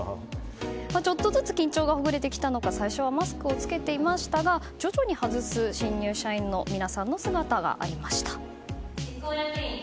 ちょっとずつ緊張がほぐれてきたのか最初はマスクを着けていましたが徐々に外す新入社員の皆さんの姿がありました。